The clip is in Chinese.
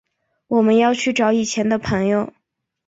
我们要去找以前的朋友